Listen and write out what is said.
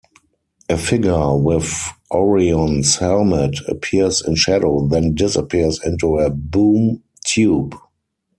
A figure, with Orion's helmet, appears in shadow then disappears into a Boom Tube.